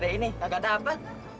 ada ini nggak ada apa